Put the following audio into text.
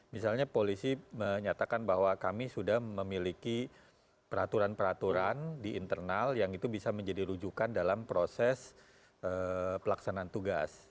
misalnya polisi menyatakan bahwa kami sudah memiliki peraturan peraturan di internal yang itu bisa menjadi rujukan dalam proses pelaksanaan tugas